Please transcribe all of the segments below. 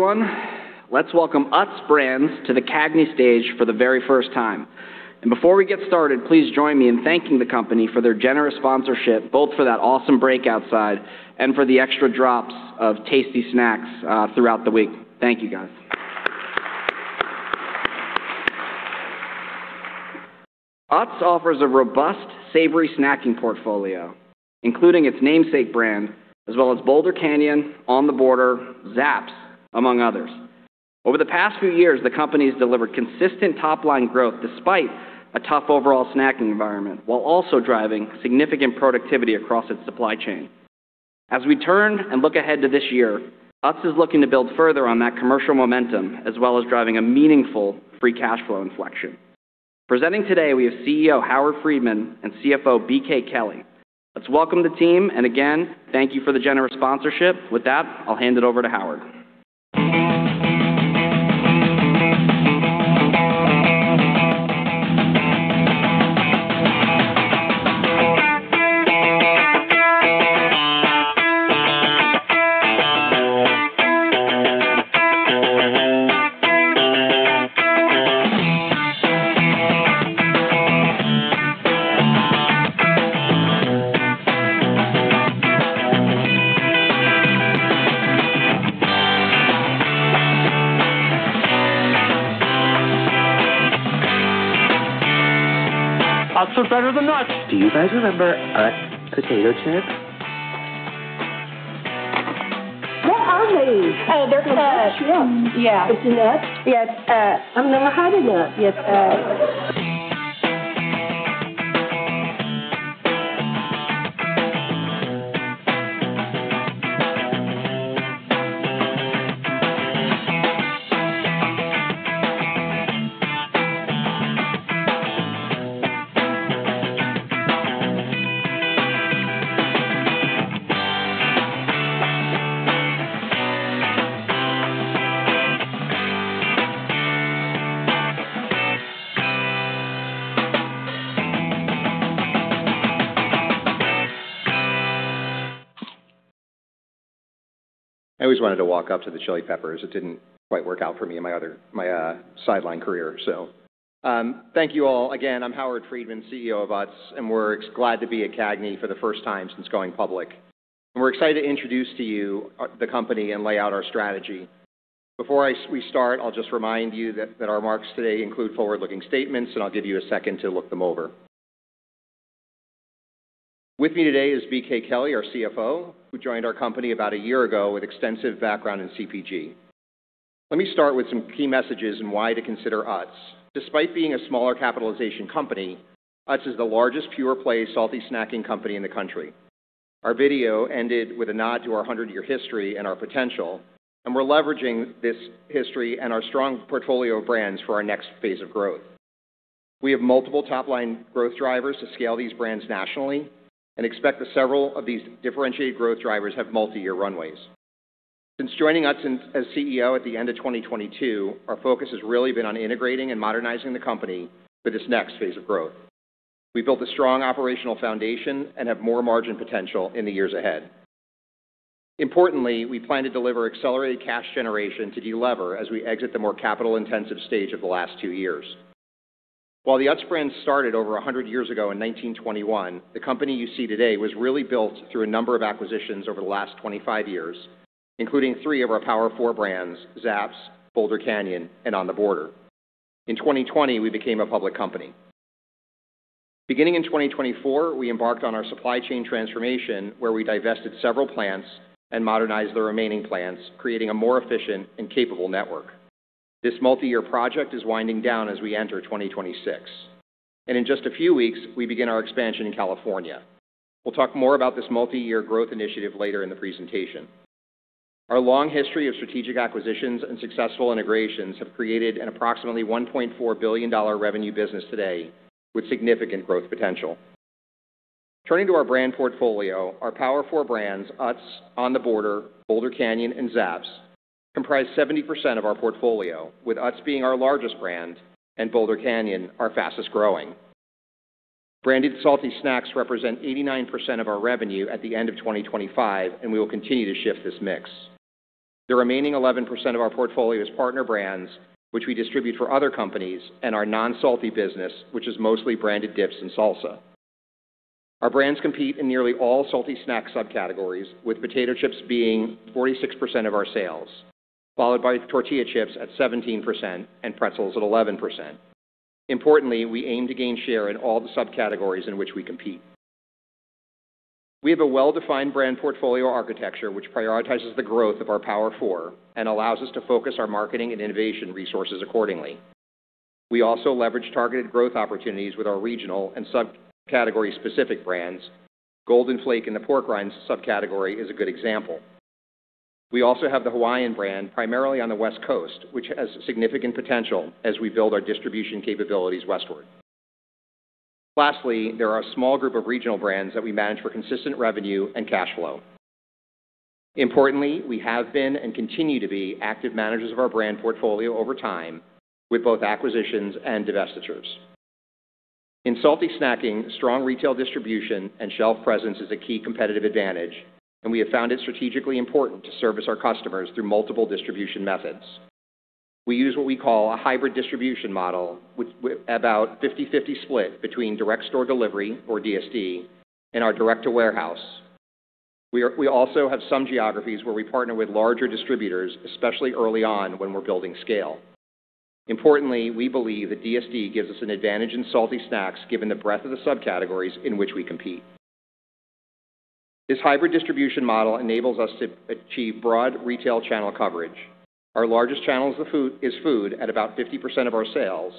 Everyone, let's welcome Utz Brands to the CAGNY stage for the very first time. Before we get started, please join me in thanking the company for their generous sponsorship, both for that awesome break outside and for the extra drops of tasty snacks throughout the week. Thank you, guys. Utz offers a robust savory snacking portfolio, including its namesake brand, as well as Boulder Canyon, On The Border, Zapp's, among others. Over the past few years, the company has delivered consistent top-line growth despite a tough overall snacking environment, while also driving significant productivity across its supply chain. As we turn and look ahead to this year, Utz is looking to build further on that commercial momentum, as well as driving a meaningful free cash flow inflection. Presenting today, we have CEO Howard Friedman and CFO BK Kelley. Let's welcome the team, and again, thank you for the generous sponsorship. With that, I'll hand it over to Howard. I always wanted to walk up to the Chili Peppers. It didn't quite work out for me in my sideline career. So, thank you all. Again, I'm Howard Friedman, CEO of Utz, and we're glad to be at CAGNY for the first time since going public. We're excited to introduce to you the company and lay out our strategy. Before we start, I'll just remind you that our marks today include forward-looking statements, and I'll give you a second to look them over. With me today is BK Kelley, our CFO, who joined our company about a year ago with extensive background in CPG. Let me start with some key messages and why to consider Utz. Despite being a smaller capitalization company, Utz is the largest pure-play salty snacking company in the country. Our video ended with a nod to our 100-year history and our potential, and we're leveraging this history and our strong portfolio of brands for our next phase of growth. We have multiple top-line growth drivers to scale these brands nationally and expect that several of these differentiated growth drivers have multi-year runways. Since joining Utz as CEO at the end of 2022, our focus has really been on integrating and modernizing the company for this next phase of growth. We built a strong operational foundation and have more margin potential in the years ahead. Importantly, we plan to deliver accelerated cash generation to delever as we exit the more capital-intensive stage of the last two years. While the Utz Brands started over 100 years ago in 1921, the company you see today was really built through a number of acquisitions over the last 25 years, including three of our Power Four Brands, Zapp's, Boulder Canyon, and On The Border. In 2020, we became a public company. Beginning in 2024, we embarked on our supply chain transformation, where we divested several plants and modernized the remaining plants, creating a more efficient and capable network. This multi-year project is winding down as we enter 2026, and in just a few weeks, we begin our expansion in California. We'll talk more about this multi-year growth initiative later in the presentation. Our long history of strategic acquisitions and successful integrations have created an approximately $1.4 billion revenue business today with significant growth potential. Turning to our brand portfolio, our Power Four Brands, Utz, On The Border, Boulder Canyon, and Zapp's, comprise 70% of our portfolio, with Utz being our largest brand and Boulder Canyon our fastest-growing. Branded salty snacks represent 89% of our revenue at the end of 2025, and we will continue to shift this mix. The remaining 11% of our portfolio is partner brands, which we distribute for other companies, and our non-salty business, which is mostly branded dips and salsa. Our brands compete in nearly all salty snack subcategories, with potato chips being 46% of our sales, followed by tortilla chips at 17% and pretzels at 11%. Importantly, we aim to gain share in all the subcategories in which we compete. We have a well-defined brand portfolio architecture, which prioritizes the growth of our Power Four and allows us to focus our marketing and innovation resources accordingly. We also leverage targeted growth opportunities with our regional and subcategory-specific brands. Golden Flake in the pork rinds subcategory is a good example. We also have the Hawaiian Brand, primarily on the West Coast, which has significant potential as we build our distribution capabilities westward. Lastly, there are a small group of regional brands that we manage for consistent revenue and cash flow. Importantly, we have been and continue to be active managers of our brand portfolio over time with both acquisitions and divestitures.... In salty snacking, strong retail distribution and shelf presence is a key competitive advantage, and we have found it strategically important to service our customers through multiple distribution methods. We use what we call a hybrid distribution model, with about 50/50 split between direct store delivery, or DSD, and our direct to warehouse. We also have some geographies where we partner with larger distributors, especially early on when we're building scale. Importantly, we believe that DSD gives us an advantage in salty snacks, given the breadth of the subcategories in which we compete. This hybrid distribution model enables us to achieve broad retail channel coverage. Our largest channel is food at about 50% of our sales,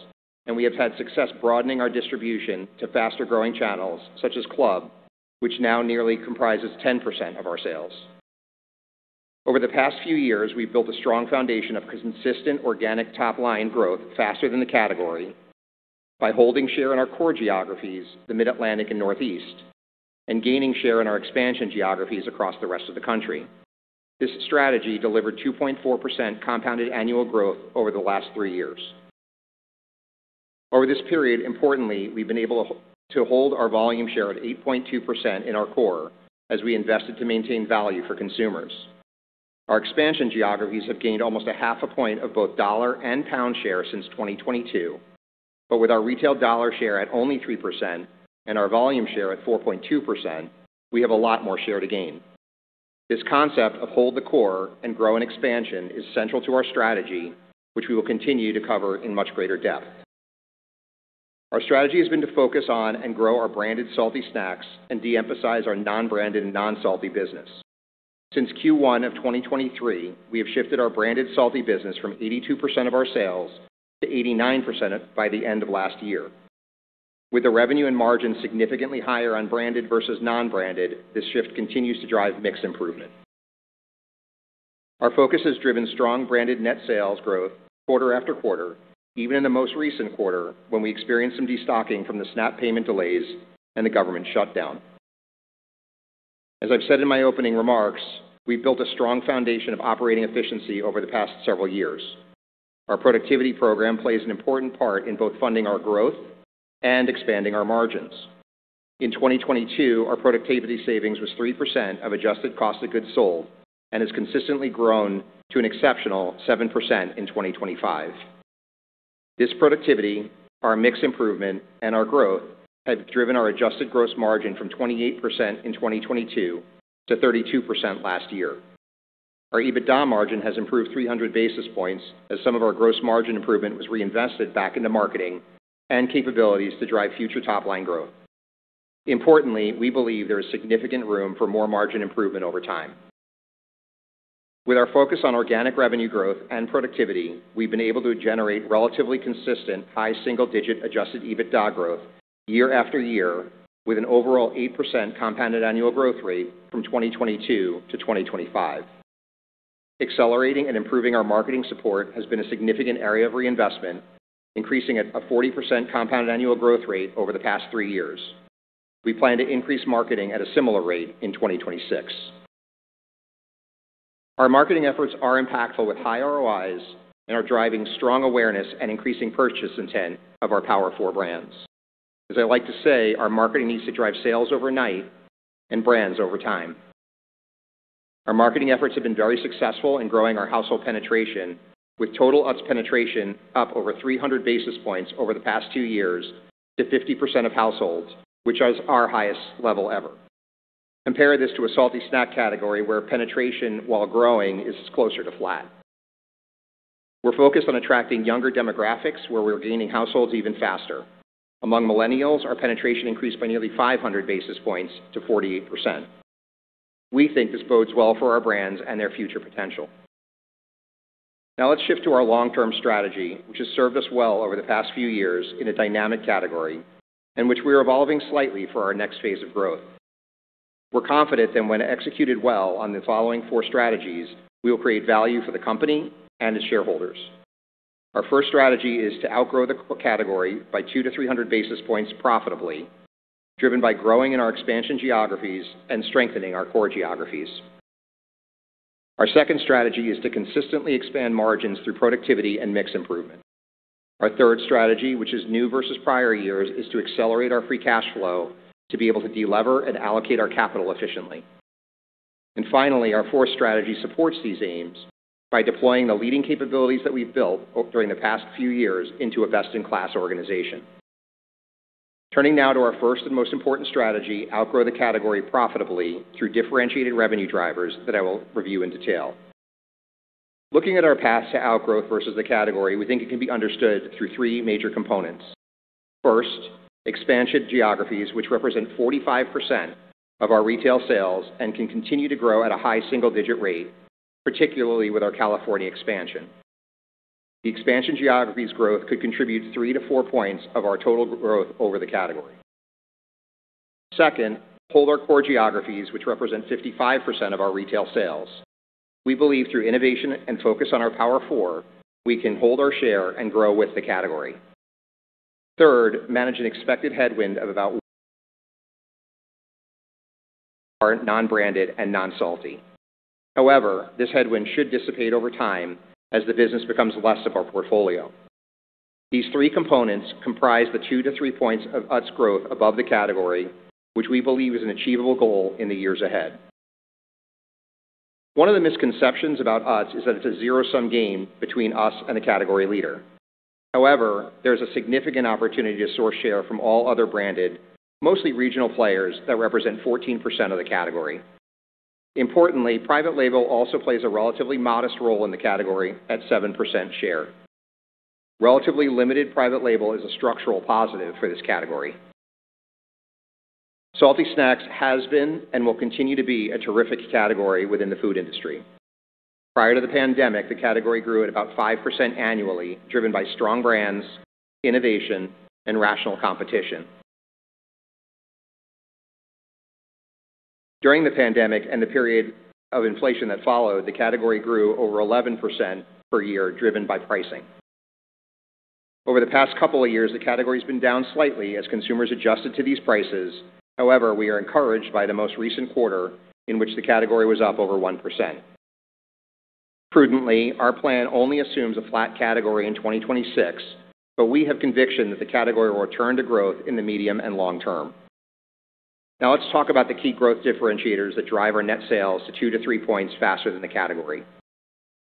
and we have had success broadening our distribution to faster-growing channels, such as club, which now nearly comprises 10% of our sales. Over the past few years, we've built a strong foundation of consistent organic top-line growth faster than the category by holding share in our core geographies, the Mid-Atlantic and Northeast, and gaining share in our expansion geographies across the rest of the country. This strategy delivered 2.4% compounded annual growth over the last three years. Over this period, importantly, we've been able to hold our volume share at 8.2% in our core as we invested to maintain value for consumers. Our expansion geographies have gained almost 0.5 point of both dollar and pound share since 2022, but with our retail dollar share at only 3% and our volume share at 4.2%, we have a lot more share to gain. This concept of hold the core and grow an expansion is central to our strategy, which we will continue to cover in much greater depth. Our strategy has been to focus on and grow our branded salty snacks and de-emphasize our non-branded and non-salty business. Since Q1 of 2023, we have shifted our branded salty business from 82% of our sales to 89% by the end of last year. With the revenue and margin significantly higher on branded versus non-branded, this shift continues to drive mix improvement. Our focus has driven strong branded net sales growth quarter after quarter, even in the most recent quarter, when we experienced some destocking from the SNAP payment delays and the government shutdown. As I've said in my opening remarks, we've built a strong foundation of operating efficiency over the past several years. Our productivity program plays an important part in both funding our growth and expanding our margins. In 2022, our productivity savings was 3% of adjusted cost of goods sold and has consistently grown to an exceptional 7% in 2025. This productivity, our mix improvement, and our growth have driven our adjusted gross margin from 28% in 2022 to 32% last year. Our EBITDA margin has improved 300 basis points, as some of our gross margin improvement was reinvested back into marketing and capabilities to drive future top-line growth. Importantly, we believe there is significant room for more margin improvement over time. With our focus on organic revenue growth and productivity, we've been able to generate relatively consistent high single-digit adjusted EBITDA growth year after year, with an overall 8% compounded annual growth rate from 2022 to 2025. Accelerating and improving our marketing support has been a significant area of reinvestment, increasing at a 40% compounded annual growth rate over the past three years. We plan to increase marketing at a similar rate in 2026. Our marketing efforts are impactful, with high ROIs and are driving strong awareness and increasing purchase intent of our Power Four Brands. As I like to say, our marketing needs to drive sales overnight and brands over time. Our marketing efforts have been very successful in growing our household penetration, with total Utz penetration up over 300 basis points over the past two years to 50% of households, which is our highest level ever. Compare this to a salty snack category where penetration, while growing, is closer to flat. We're focused on attracting younger demographics, where we're gaining households even faster. Among millennials, our penetration increased by nearly 500 basis points to 48%. We think this bodes well for our brands and their future potential. Now, let's shift to our long-term strategy, which has served us well over the past few years in a dynamic category in which we are evolving slightly for our next phase of growth. We're confident that when executed well on the following four strategies, we will create value for the company and its shareholders. Our first strategy is to outgrow the category by 200-300 basis points profitably, driven by growing in our expansion geographies and strengthening our core geographies. Our second strategy is to consistently expand margins through productivity and mix improvement. Our third strategy, which is new versus prior years, is to accelerate our free cash flow to be able to de-lever and allocate our capital efficiently. Finally, our fourth strategy supports these aims by deploying the leading capabilities that we've built during the past few years into a best-in-class organization. Turning now to our first and most important strategy, outgrow the category profitably through differentiated revenue drivers that I will review in detail. Looking at our path to outgrowth versus the category, we think it can be understood through three major components. First, expansion geographies, which represent 45% of our retail sales and can continue to grow at a high single-digit rate, particularly with our California expansion. The expansion geographies growth could contribute three to four points of our total growth over the category. Second, hold our core geographies, which represent 55% of our retail sales. We believe through innovation and focus on our Power Four, we can hold our share and grow with the category. Third, manage an expected headwind of about-... are non-branded and non-salty. However, this headwind should dissipate over time as the business becomes less of our portfolio. These three components comprise the two to three points of Utz growth above the category, which we believe is an achievable goal in the years ahead. One of the misconceptions about Utz is that it's a zero-sum game between us and the category leader. However, there's a significant opportunity to source share from all other branded, mostly regional players, that represent 14% of the category. Importantly, private label also plays a relatively modest role in the category at 7% share. Relatively limited private label is a structural positive for this category. Salty snacks has been and will continue to be a terrific category within the food industry. Prior to the pandemic, the category grew at about 5% annually, driven by strong brands, innovation, and rational competition. During the pandemic and the period of inflation that followed, the category grew over 11% per year, driven by pricing. Over the past couple of years, the category's been down slightly as consumers adjusted to these prices. However, we are encouraged by the most recent quarter in which the category was up over 1%. Prudently, our plan only assumes a flat category in 2026, but we have conviction that the category will return to growth in the medium and long term. Now, let's talk about the key growth differentiators that drive our net sales to two to three points faster than the category.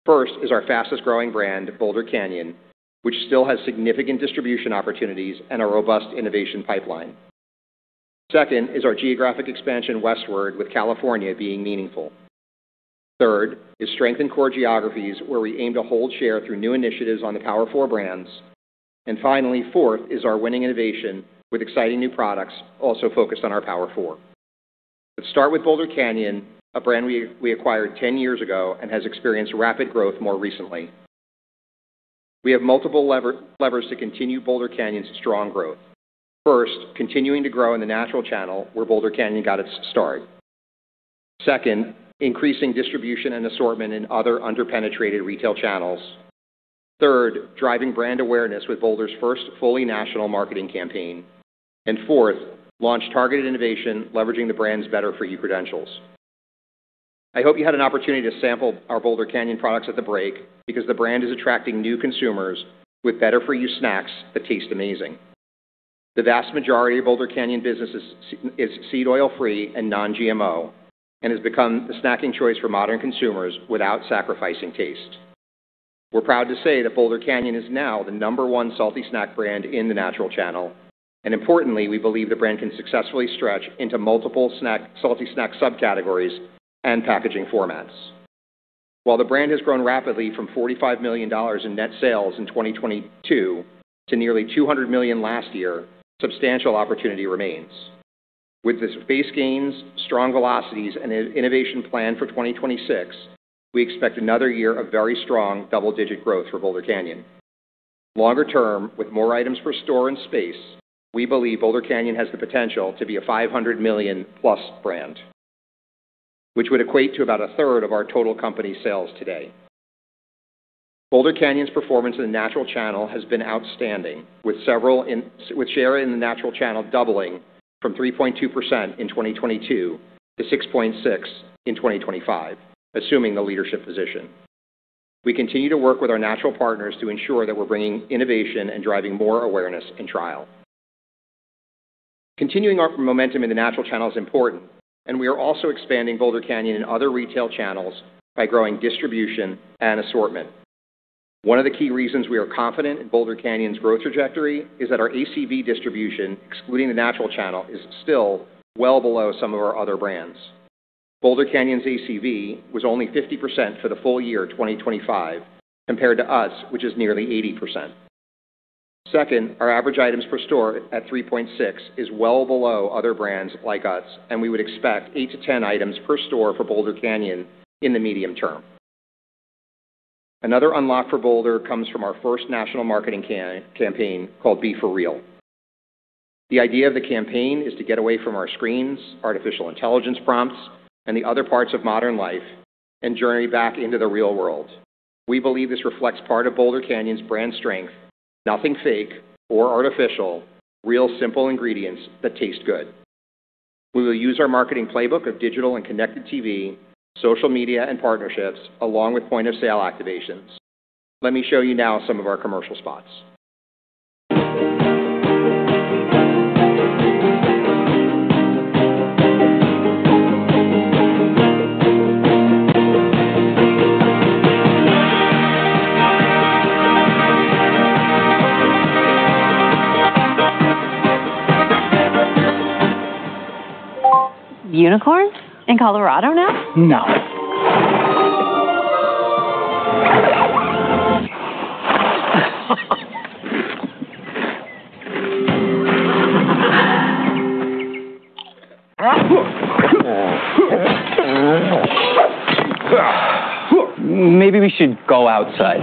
First is our fastest growing brand, Boulder Canyon, which still has significant distribution opportunities and a robust innovation pipeline. Second is our geographic expansion westward, with California being meaningful. Third is strength in core geographies, where we aim to hold share through new initiatives on the Power Four Brands. And finally, fourth is our winning innovation with exciting new products, also focused on our Power Four. Let's start with Boulder Canyon, a brand we acquired 10 years ago and has experienced rapid growth more recently. We have multiple levers to continue Boulder Canyon's strong growth. First, continuing to grow in the natural channel where Boulder Canyon got its start. Second, increasing distribution and assortment in other under-penetrated retail channels. Third, driving brand awareness with Boulder's first fully national marketing campaign. And fourth, launch targeted innovation, leveraging the brand's Better-for-You credentials. I hope you had an opportunity to sample our Boulder Canyon products at the break because the brand is attracting new consumers with Better-for-You snacks that taste amazing. The vast majority of Boulder Canyon businesses is seed oil free and non-GMO, and has become the snacking choice for modern consumers without sacrificing taste. We're proud to say that Boulder Canyon is now the number one salty snack brand in the natural channel, and importantly, we believe the brand can successfully stretch into multiple snack-- salty snack subcategories and packaging formats. While the brand has grown rapidly from $45 million in net sales in 2022 to nearly $200 million last year, substantial opportunity remains. With this base gains, strong velocities, and innovation plan for 2026, we expect another year of very strong double-digit growth for Boulder Canyon. Longer term, with more items per store and space, we believe Boulder Canyon has the potential to be a $500 million-plus brand, which would equate to about a third of our total company sales today. Boulder Canyon's performance in the natural channel has been outstanding, with share in the natural channel doubling from 3.2% in 2022 to 6.6% in 2025, assuming the leadership position. We continue to work with our natural partners to ensure that we're bringing innovation and driving more awareness and trial. Continuing our momentum in the natural channel is important, and we are also expanding Boulder Canyon in other retail channels by growing distribution and assortment. One of the key reasons we are confident in Boulder Canyon's growth trajectory is that our ACV distribution, excluding the natural channel, is still well below some of our other brands. Boulder Canyon's ACV was only 50% for the full-year 2025, compared to us, which is nearly 80%. Second, our average items per store at 3.6 is well below other brands like us, and we would expect eight to 10 items per store for Boulder Canyon in the medium term. Another unlock for Boulder comes from our first national marketing campaign called Be for Real. The idea of the campaign is to get away from our screens, artificial intelligence prompts, and the other parts of modern life, and journey back into the real world. We believe this reflects part of Boulder Canyon's brand strength, nothing fake or artificial, real, simple ingredients that taste good. We will use our marketing playbook of digital and connected TV, social media, and partnerships, along with point-of-sale activations. Let me show you now some of our commercial spots. Unicorns in Colorado now? No. Maybe we should go outside.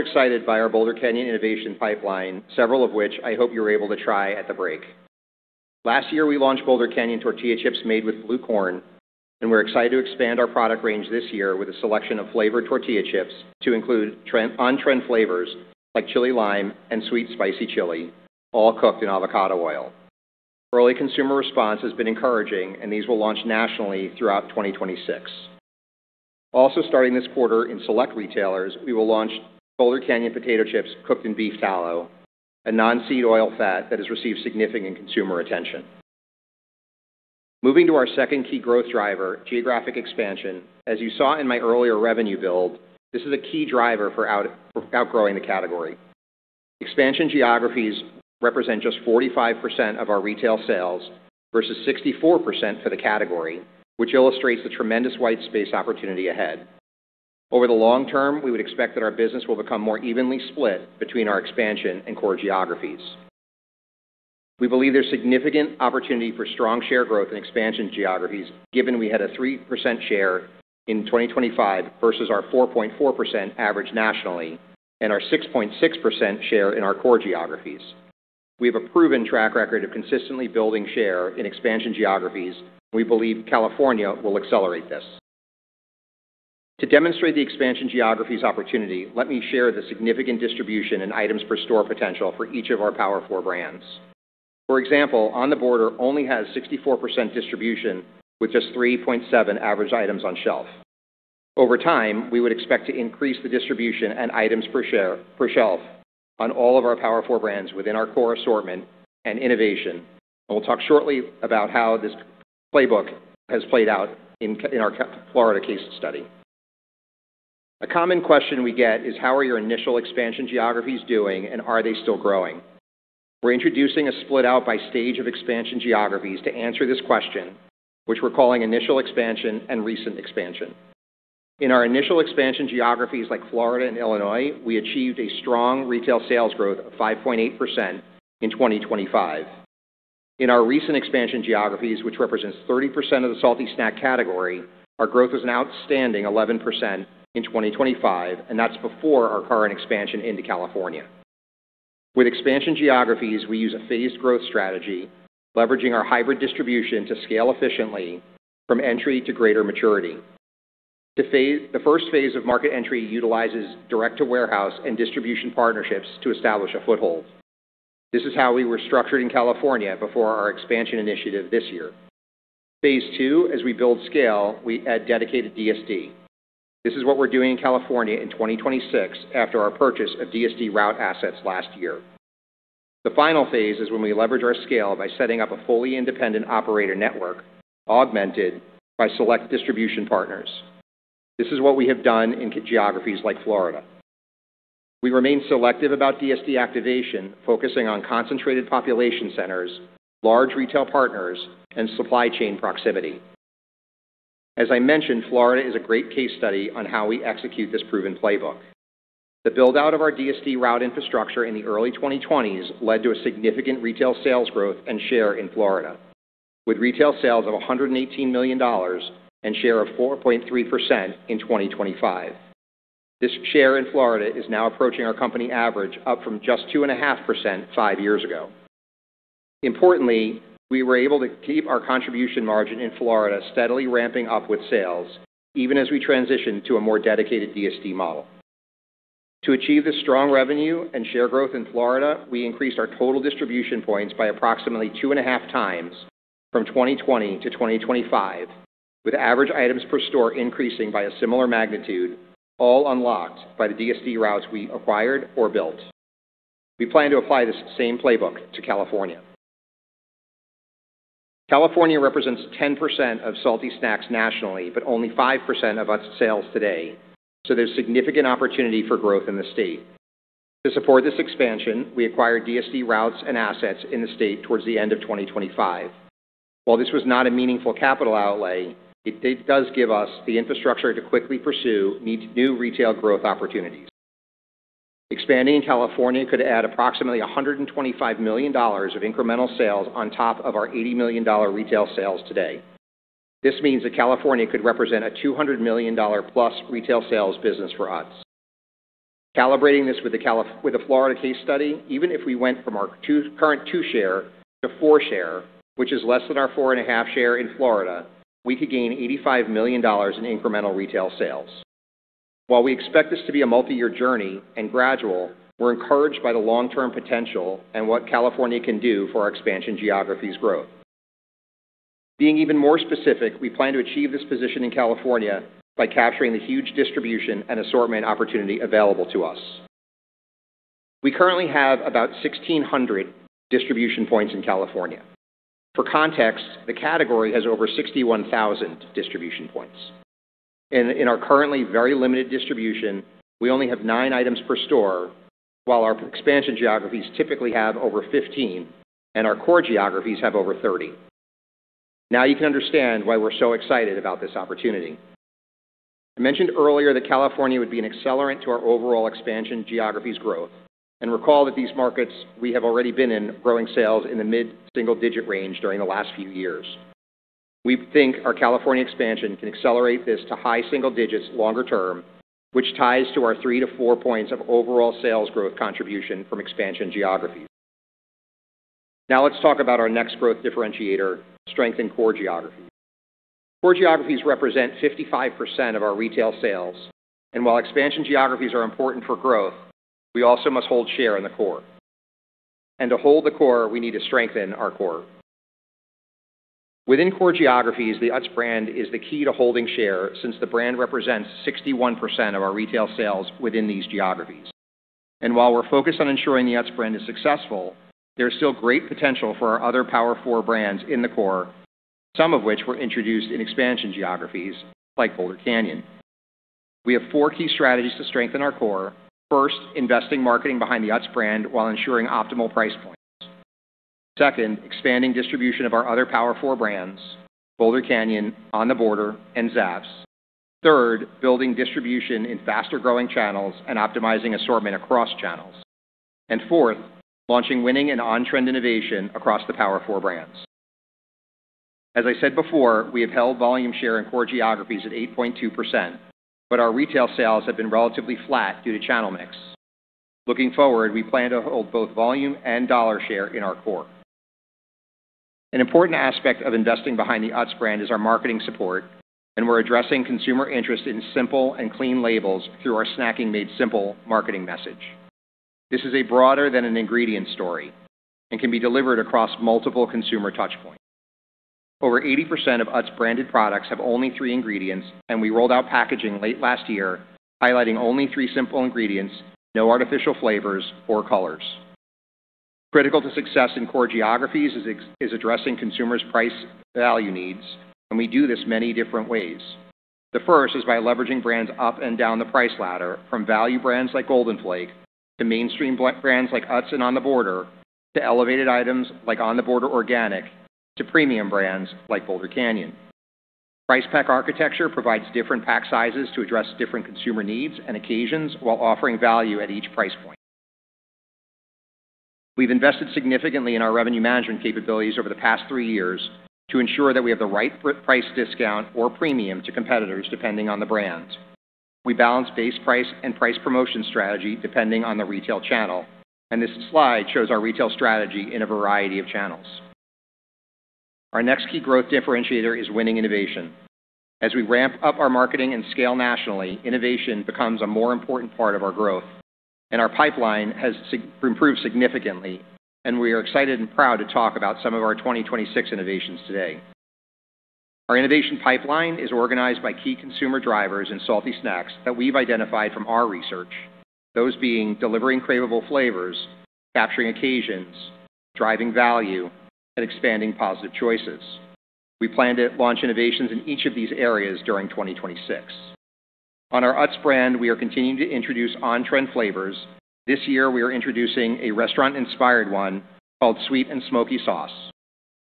We're also excited by our Boulder Canyon innovation pipeline, several of which I hope you were able to try at the break. Last year, we launched Boulder Canyon Tortilla Chips made with blue corn, and we're excited to expand our product range this year with a selection of flavored tortilla chips to include on-trend flavors like chili lime and sweet spicy chili, all cooked in avocado oil. Early consumer response has been encouraging, and these will launch nationally throughout 2026. Also, starting this quarter in select retailers, we will launch Boulder Canyon potato chips cooked in beef tallow, a non-seed oil fat that has received significant consumer attention. Moving to our second key growth driver, geographic expansion. As you saw in my earlier revenue build, this is a key driver for outgrowing the category. Expansion geographies represent just 45% of our retail sales versus 64% for the category, which illustrates the tremendous white space opportunity ahead. Over the long term, we would expect that our business will become more evenly split between our expansion and core geographies. We believe there's significant opportunity for strong share growth in expansion geographies, given we had a 3% share in 2025 versus our 4.4% average nationally and our 6.6% share in our core geographies. We have a proven track record of consistently building share in expansion geographies, and we believe California will accelerate this. To demonstrate the expansion geographies opportunity, let me share the significant distribution and items per store potential for each of our Power Four Brands. For example, On The Border only has 64% distribution, with just 3.7 average items on shelf. Over time, we would expect to increase the distribution and items per shelf on all of our Power Four Brands within our core assortment and innovation. We'll talk shortly about how this playbook has played out in our Florida case study. A common question we get is: How are your initial expansion geographies doing, and are they still growing? We're introducing a split out by stage of expansion geographies to answer this question, which we're calling initial expansion and recent expansion. In our initial expansion geographies, like Florida and Illinois, we achieved a strong retail sales growth of 5.8% in 2025. In our recent expansion geographies, which represents 30% of the salty snack category, our growth was an outstanding 11% in 2025, and that's before our current expansion into California. With expansion geographies, we use a phased growth strategy, leveraging our hybrid distribution to scale efficiently from entry to greater maturity. The first phase of market entry utilizes direct-to-warehouse and distribution partnerships to establish a foothold. This is how we were structured in California before our expansion initiative this year. Phase 2, as we build scale, we add dedicated DSD. This is what we're doing in California in 2026 after our purchase of DSD route assets last year. The final phase is when we leverage our scale by setting up a fully independent operator network, augmented by select distribution partners. This is what we have done in geographies like Florida. We remain selective about DSD activation, focusing on concentrated population centers, large retail partners, and supply chain proximity. As I mentioned, Florida is a great case study on how we execute this proven playbook. The build-out of our DSD route infrastructure in the early 2020s led to a significant retail sales growth and share in Florida, with retail sales of $118 million and share of 4.3% in 2025. This share in Florida is now approaching our company average, up from just 2.5% five years ago. Importantly, we were able to keep our contribution margin in Florida steadily ramping up with sales, even as we transition to a more dedicated DSD model. To achieve this strong revenue and share growth in Florida, we increased our total distribution points by approximately 2.5x from 2020 to 2025, with average items per store increasing by a similar magnitude, all unlocked by the DSD routes we acquired or built. We plan to apply this same playbook to California. California represents 10% of salty snacks nationally, but only 5% of our sales today, so there's significant opportunity for growth in the state. To support this expansion, we acquired DSD routes and assets in the state towards the end of 2025. While this was not a meaningful capital outlay, it does give us the infrastructure to quickly pursue new retail growth opportunities. Expanding in California could add approximately $125 million of incremental sales on top of our $80 million retail sales today. This means that California could represent a $200 million-plus retail sales business for us. Calibrating this with the Florida case study, even if we went from our current two share to four share, which is less than our 4.5 share in Florida, we could gain $85 million in incremental retail sales. While we expect this to be a multi-year journey and gradual, we're encouraged by the long-term potential and what California can do for our expansion geographies growth. Being even more specific, we plan to achieve this position in California by capturing the huge distribution and assortment opportunity available to us. We currently have about 1,600 distribution points in California. For context, the category has over 61,000 distribution points. In our currently very limited distribution, we only have nine items per store, while our expansion geographies typically have over 15, and our core geographies have over 30. Now you can understand why we're so excited about this opportunity. I mentioned earlier that California would be an accelerant to our overall expansion geographies growth, and recall that these markets we have already been in growing sales in the mid-single-digit range during the last few years. We think our California expansion can accelerate this to high single digits longer term, which ties to our three to four points of overall sales growth contribution from expansion geographies. Now let's talk about our next growth differentiator, strength in core geography. Core geographies represent 55% of our retail sales, and while expansion geographies are important for growth, we also must hold share in the core. To hold the core, we need to strengthen our core. Within core geographies, the Utz brand is the key to holding share, since the brand represents 61% of our retail sales within these geographies. While we're focused on ensuring the Utz brand is successful, there's still great potential for our other Power Four Brands in the core, some of which were introduced in expansion geographies like Boulder Canyon. We have four key strategies to strengthen our core. First, investing marketing behind the Utz brand while ensuring optimal price points. Second, expanding distribution of our other Power Four Brands, Boulder Canyon, On The Border, and Zapp's. Third, building distribution in faster-growing channels and optimizing assortment across channels. Fourth, launching winning and on-trend innovation across the Power Four Brands. As I said before, we have held volume share in core geographies at 8.2%, but our retail sales have been relatively flat due to channel mix. Looking forward, we plan to hold both volume and dollar share in our core. An important aspect of investing behind the Utz brand is our marketing support, and we're addressing consumer interest in simple and clean labels through our Snacking Made Simple marketing message. This is a broader than an ingredient story and can be delivered across multiple consumer touch points. Over 80% of Utz branded products have only three ingredients, and we rolled out packaging late last year, highlighting only three simple ingredients, no artificial flavors or colors. Critical to success in core geographies is addressing consumers' price value needs, and we do this many different ways. The first is by leveraging brands up and down the price ladder, from value brands like Golden Flake, to mainstream brands like Utz and On The Border, to elevated items like On The Border Organic, to premium brands like Boulder Canyon. Price pack architecture provides different pack sizes to address different consumer needs and occasions while offering value at each price point. We've invested significantly in our revenue management capabilities over the past three years to ensure that we have the right price discount or premium to competitors, depending on the brand. We balance base price and price promotion strategy depending on the retail channel, and this slide shows our retail strategy in a variety of channels. Our next key growth differentiator is winning innovation. As we ramp up our marketing and scale nationally, innovation becomes a more important part of our growth, and our pipeline has significantly improved, and we are excited and proud to talk about some of our 2026 innovations today. Our innovation pipeline is organized by key consumer drivers in salty snacks that we've identified from our research, those being delivering cravable flavors, capturing occasions, driving value, and expanding positive choices. We plan to launch innovations in each of these areas during 2026. On our Utz brand, we are continuing to introduce on-trend flavors. This year, we are introducing a restaurant-inspired one called Sweet and Smoky Sauce.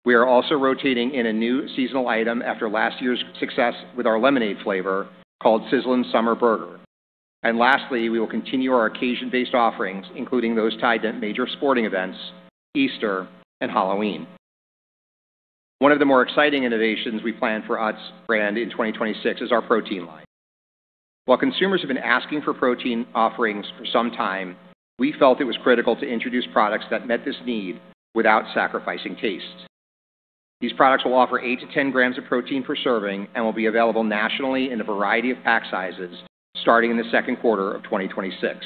We are also rotating in a new seasonal item after last year's success with our lemonade flavor called Sizzlin' Summer Burger. And lastly, we will continue our occasion-based offerings, including those tied to major sporting events, Easter, and Halloween. One of the more exciting innovations we plan for Utz brand in 2026 is our protein line. While consumers have been asking for protein offerings for some time, we felt it was critical to introduce products that met this need without sacrificing taste. These products will offer 8-10 g of protein per serving and will be available nationally in a variety of pack sizes starting in the second quarter of 2026.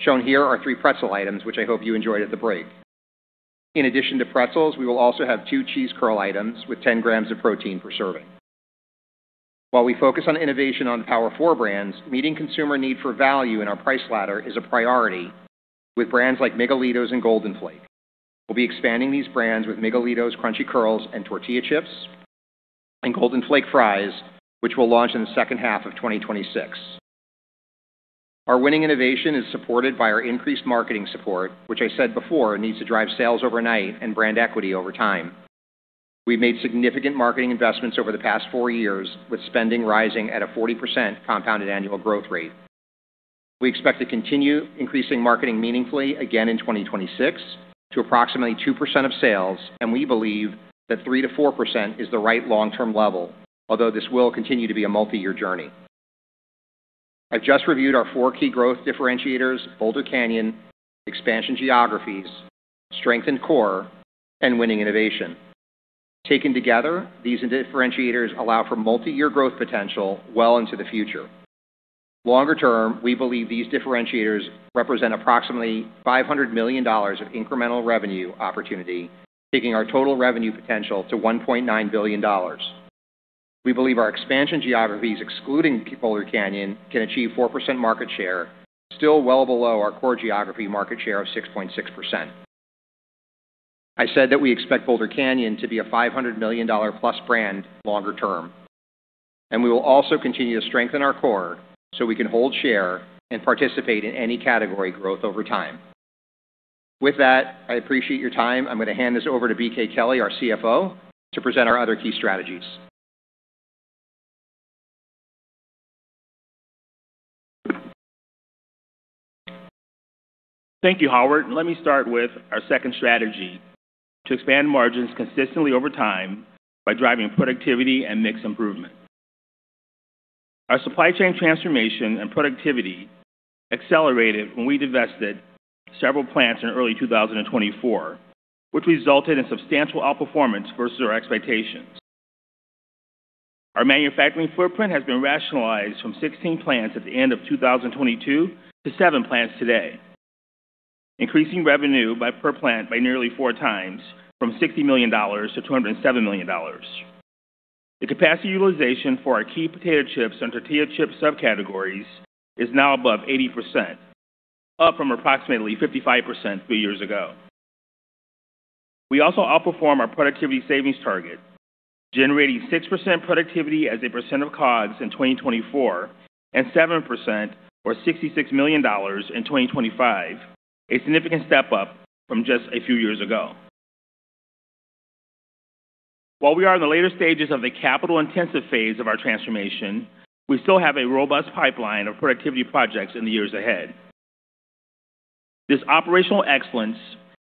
Shown here are three pretzel items, which I hope you enjoyed at the break. In addition to pretzels, we will also have two cheese curl items with 10 g of protein per serving. While we focus on innovation on the Power Four Brands, meeting consumer need for value in our price ladder is a priority with brands like Miguelitos and Golden Flake. We'll be expanding these brands with Miguelitos Crunchy Curls and Tortilla Chips, and Golden Flake Fries, which will launch in the second half of 2026. Our winning innovation is supported by our increased marketing support, which I said before, needs to drive sales overnight and brand equity over time. We've made significant marketing investments over the past four years, with spending rising at a 40% compounded annual growth rate. We expect to continue increasing marketing meaningfully again in 2026 to approximately 2% of sales, and we believe that 3%-4% is the right long-term level, although this will continue to be a multi-year journey. I've just reviewed our four key growth differentiators, Boulder Canyon, expansion geographies, strengthened core, and winning innovation. Taken together, these differentiators allow for multi-year growth potential well into the future. Longer term, we believe these differentiators represent approximately $500 million of incremental revenue opportunity, taking our total revenue potential to $1.9 billion. We believe our expansion geographies, excluding Boulder Canyon, can achieve 4% market share, still well below our core geography market share of 6.6%. I said that we expect Boulder Canyon to be a $500 million-plus brand longer term, and we will also continue to strengthen our core so we can hold share and participate in any category growth over time.... With that, I appreciate your time. I'm going to hand this over to BK Kelley, our CFO, to present our other key strategies. Thank you, Howard. Let me start with our second strategy to expand margins consistently over time by driving productivity and mix improvement. Our supply chain transformation and productivity accelerated when we divested several plants in early 2024, which resulted in substantial outperformance versus our expectations. Our manufacturing footprint has been rationalized from 16 plants at the end of 2022 to seven plants today, increasing revenue by per plant by nearly four times, from $60 million to $207 million. The capacity utilization for our key potato chips and tortilla chip subcategories is now above 80%, up from approximately 55% three years ago. We also outperform our productivity savings target, generating 6% productivity as a percent of COGS in 2024 and 7% or $66 million in 2025, a significant step up from just a few years ago. While we are in the later stages of the capital-intensive phase of our transformation, we still have a robust pipeline of productivity projects in the years ahead. This operational excellence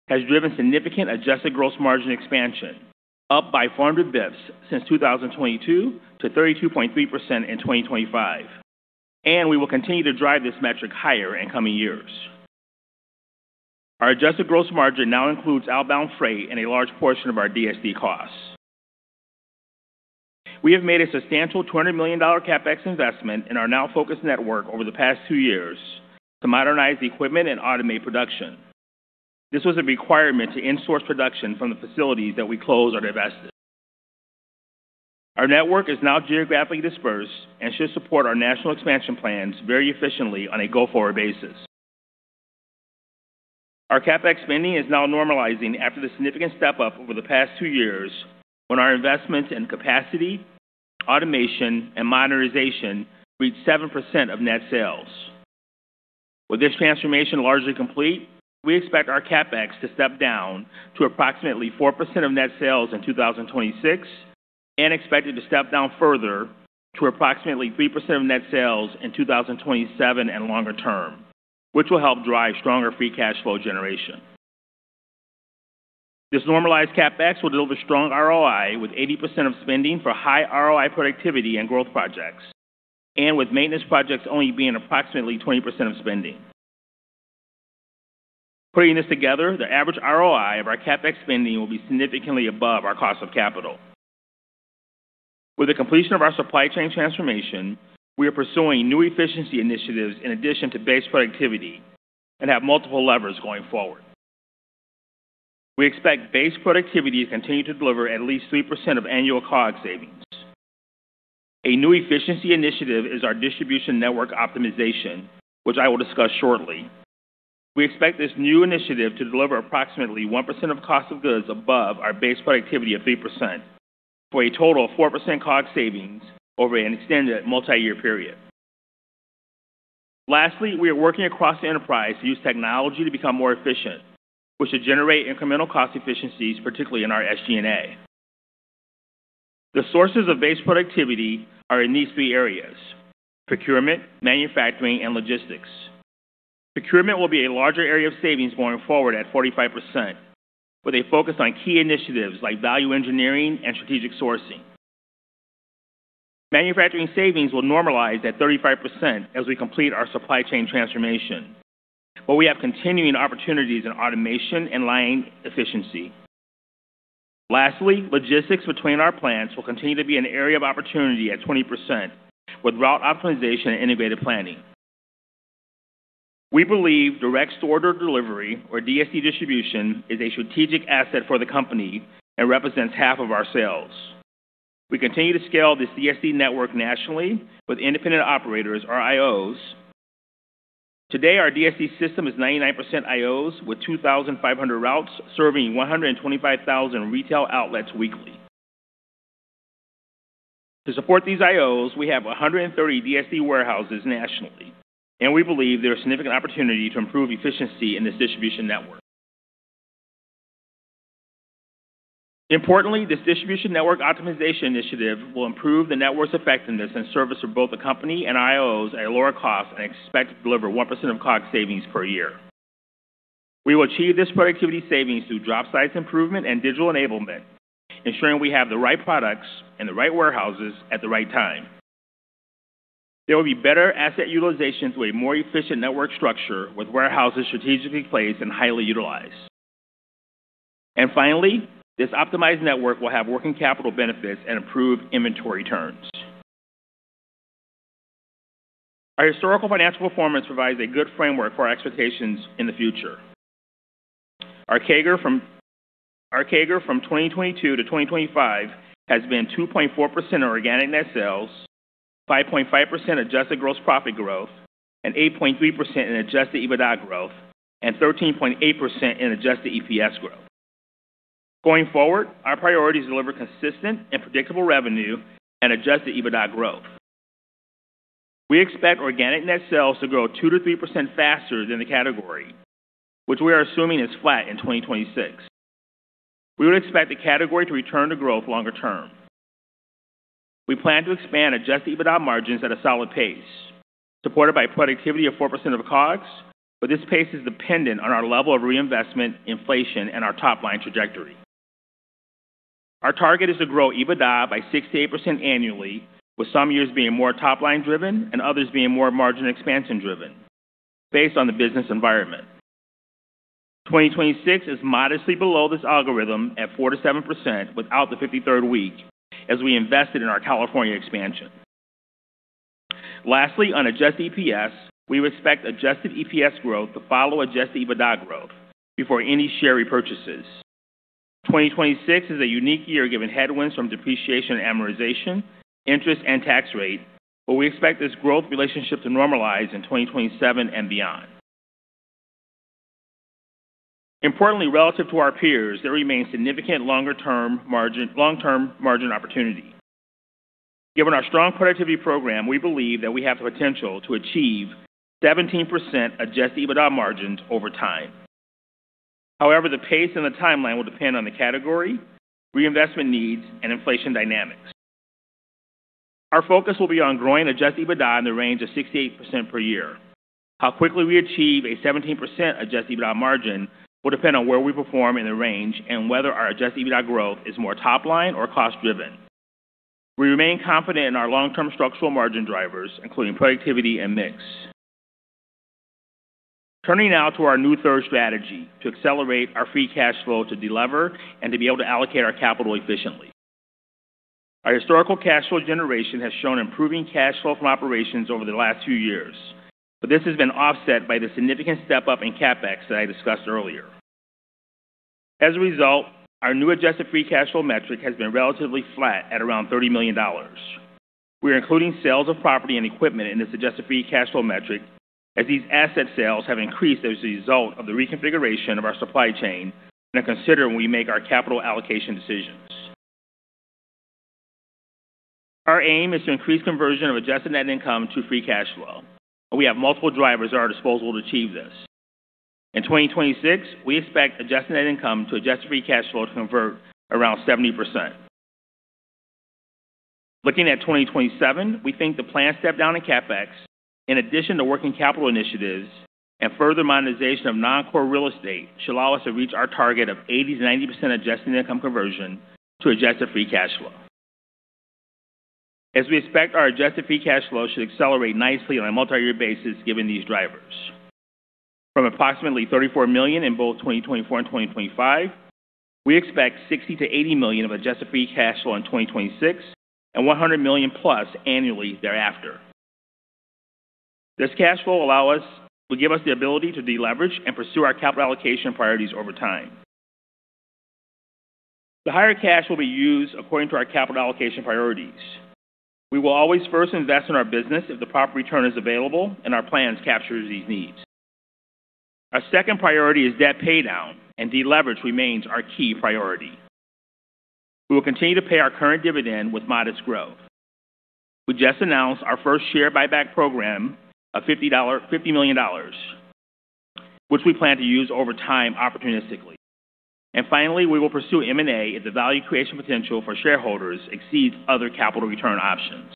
has driven significant adjusted gross margin expansion, up by 400 basis points since 2022 to 32.3% in 2025, and we will continue to drive this metric higher in coming years. Our adjusted gross margin now includes outbound freight and a large portion of our DSD costs. We have made a substantial $200 million CapEx investment in our now focused network over the past two years to modernize equipment and automate production. This was a requirement to in-source production from the facilities that we closed or divested. Our network is now geographically dispersed and should support our national expansion plans very efficiently on a go-forward basis. Our CapEx spending is now normalizing after the significant step-up over the past two years, when our investments in capacity, automation, and modernization reached 7% of net sales. With this transformation largely complete, we expect our CapEx to step down to approximately 4% of net sales in 2026, and expected to step down further to approximately 3% of net sales in 2027 and longer term, which will help drive stronger free cash flow generation. This normalized CapEx will deliver strong ROI, with 80% of spending for high ROI productivity and growth projects, and with maintenance projects only being approximately 20% of spending. Putting this together, the average ROI of our CapEx spending will be significantly above our cost of capital. With the completion of our supply chain transformation, we are pursuing new efficiency initiatives in addition to base productivity and have multiple levers going forward. We expect base productivity to continue to deliver at least 3% of annual COGS savings. A new efficiency initiative is our distribution network optimization, which I will discuss shortly. We expect this new initiative to deliver approximately 1% of cost of goods above our base productivity of 3%, for a total of 4% COGS savings over an extended multi-year period. Lastly, we are working across the enterprise to use technology to become more efficient, which should generate incremental cost efficiencies, particularly in our SG&A. The sources of base productivity are in these three areas: procurement, manufacturing, and logistics. Procurement will be a larger area of savings going forward at 45%, with a focus on key initiatives like value engineering and strategic sourcing. Manufacturing savings will normalize at 35% as we complete our supply chain transformation, where we have continuing opportunities in automation and line efficiency. Lastly, logistics between our plants will continue to be an area of opportunity at 20%, with route optimization and innovative planning. We believe direct store delivery or DSD distribution is a strategic asset for the company and represents half of our sales. We continue to scale this DSD network nationally with independent operators or IOs. Today, our DSD system is 99% IOs, with 2,500 routes serving 125,000 retail outlets weekly. To support these IOs, we have 130 DSD warehouses nationally, and we believe there are significant opportunity to improve efficiency in this distribution network. Importantly, this distribution network optimization initiative will improve the network's effectiveness and service for both the company and IOs at a lower cost and expect to deliver 1% of COGS savings per year. We will achieve this productivity savings through drop size improvement and digital enablement, ensuring we have the right products in the right warehouses at the right time. There will be better asset utilization through a more efficient network structure, with warehouses strategically placed and highly utilized. And finally, this optimized network will have working capital benefits and improved inventory turns. Our historical financial performance provides a good framework for our expectations in the future. Our CAGR from 2022 to 2025 has been 2.4% in organic net sales, 5.5% adjusted gross profit growth, and 8.3% in adjusted EBITDA growth, and 13.8% in adjusted EPS growth. Going forward, our priority is to deliver consistent and predictable revenue and adjusted EBITDA growth. We expect organic net sales to grow 2%-3% faster than the category, which we are assuming is flat in 2026. We would expect the category to return to growth longer term. We plan to expand adjusted EBITDA margins at a solid pace, supported by productivity of 4% of COGS, but this pace is dependent on our level of reinvestment, inflation, and our top-line trajectory. Our target is to grow EBITDA by 6%-8% annually, with some years being more top-line driven and others being more margin expansion driven based on the business environment. 2026 is modestly below this algorithm at 4%-7% without the 53rd week as we invested in our California expansion. Lastly, on adjusted EPS, we expect adjusted EPS growth to follow adjusted EBITDA growth before any share repurchases. 2026 is a unique year, given headwinds from depreciation and amortization, interest, and tax rate, but we expect this growth relationship to normalize in 2027 and beyond. Importantly, relative to our peers, there remains significant long-term margin opportunity. Given our strong productivity program, we believe that we have the potential to achieve 17% adjusted EBITDA margins over time. However, the pace and the timeline will depend on the category, reinvestment needs, and inflation dynamics. Our focus will be on growing adjusted EBITDA in the range of 6%-8% per year. How quickly we achieve a 17% adjusted EBITDA margin will depend on where we perform in the range and whether our adjusted EBITDA growth is more top-line or cost-driven. We remain confident in our long-term structural margin drivers, including productivity and mix. Turning now to our new third strategy to accelerate our free cash flow, to delever, and to be able to allocate our capital efficiently. Our historical cash flow generation has shown improving cash flow from operations over the last few years, but this has been offset by the significant step up in CapEx that I discussed earlier. As a result, our new adjusted free cash flow metric has been relatively flat at around $30 million. We are including sales of property and equipment in this adjusted free cash flow metric, as these asset sales have increased as a result of the reconfiguration of our supply chain and are considered when we make our capital allocation decisions. Our aim is to increase conversion of adjusted net income to free cash flow, and we have multiple drivers at our disposal to achieve this. In 2026, we expect adjusted net income to adjusted free cash flow to convert around 70%. Looking at 2027, we think the planned step down in CapEx, in addition to working capital initiatives and further monetization of non-core real estate, should allow us to reach our target of 80%-90% adjusted net income conversion to adjusted free cash flow. As we expect, our adjusted free cash flow should accelerate nicely on a multi-year basis, given these drivers. From approximately $34 million in both 2024 and 2025, we expect $60 million-$80 million of adjusted free cash flow in 2026 and $100 million-plus annually thereafter. This cash flow will give us the ability to deleverage and pursue our capital allocation priorities over time. The higher cash will be used according to our capital allocation priorities. We will always first invest in our business if the proper return is available and our plans capture these needs. Our second priority is debt paydown, and deleverage remains our key priority. We will continue to pay our current dividend with modest growth. We just announced our first share buyback program of $50 million, which we plan to use over time opportunistically. Finally, we will pursue M&A if the value creation potential for shareholders exceeds other capital return options.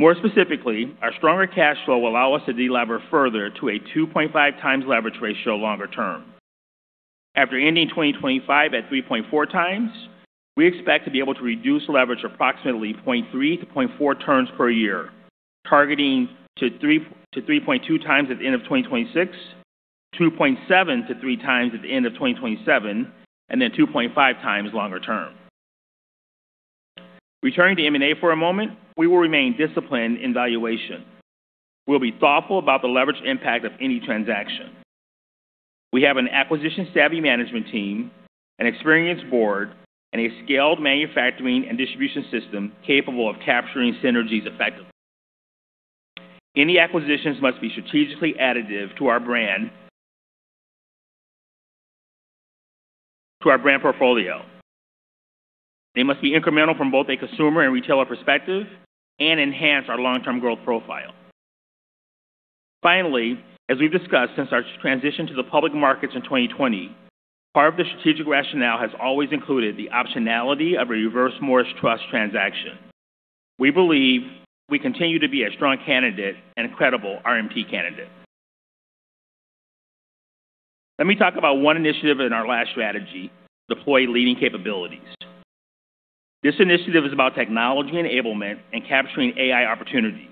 More specifically, our stronger cash flow will allow us to delever further to a 2.5x leverage ratio longer term. After ending 2025 at 3.4x, we expect to be able to reduce leverage approximately 0.3-0.4 turns per year, targeting 3x-3.2x at the end of 2026, 2.7x-3x at the end of 2027, and then 2.5x longer term. Returning to M&A for a moment, we will remain disciplined in valuation. We'll be thoughtful about the leverage impact of any transaction. We have an acquisition-savvy management team, an experienced board, and a scaled manufacturing and distribution system capable of capturing synergies effectively. Any acquisitions must be strategically additive to our brand... to our brand portfolio. They must be incremental from both a consumer and retailer perspective and enhance our long-term growth profile. Finally, as we've discussed since our transition to the public markets in 2020, part of the strategic rationale has always included the optionality of a Reverse Morris Trust transaction. We believe we continue to be a strong candidate and a credible RMT candidate. Let me talk about one initiative in our last strategy: deploy leading capabilities. This initiative is about technology enablement and capturing AI opportunities.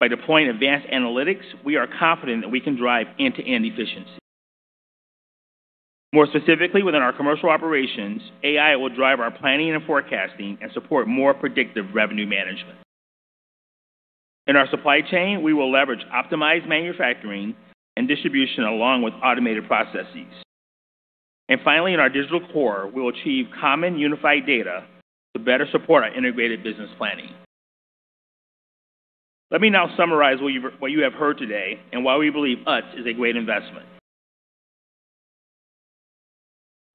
By deploying advanced analytics, we are confident that we can drive end-to-end efficiency. More specifically, within our commercial operations, AI will drive our planning and forecasting and support more predictive revenue management. In our supply chain, we will leverage optimized manufacturing and distribution along with automated processes. And finally, in our digital core, we will achieve common unified data to better support our integrated business planning. Let me now summarize what you have heard today and why we believe Utz is a great investment.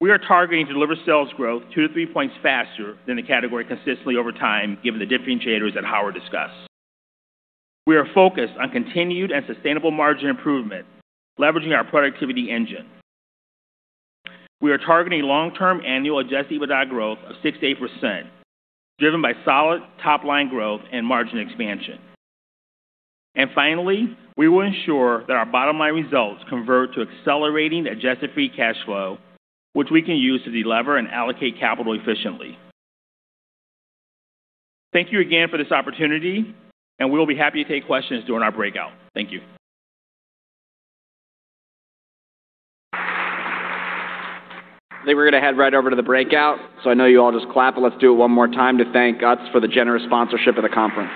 We are targeting to deliver sales growth two to three points faster than the category consistently over time, given the differentiators that Howard discussed. We are focused on continued and sustainable margin improvement, leveraging our productivity engine. We are targeting long-term annual adjusted EBITDA growth of 6%-8%, driven by solid top-line growth and margin expansion. And finally, we will ensure that our bottom-line results convert to accelerating adjusted free cash flow, which we can use to delever and allocate capital efficiently. Thank you again for this opportunity, and we will be happy to take questions during our breakout. Thank you. I think we're going to head right over to the breakout, so I know you all just clapped, but let's do it one more time to thank Utz for the generous sponsorship of the conference.